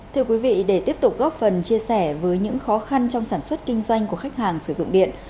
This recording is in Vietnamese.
thưa quý vị để tiếp tục góp phần chia sẻ với những khó khăn trong sản xuất kinh doanh của khách hàng sử dụng điện